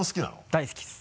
大好きです。